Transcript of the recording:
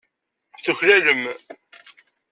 Tuklalem.